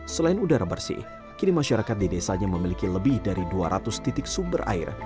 selain udara bersih kini masyarakat di desanya memiliki lebih dari dua ratus titik sumber air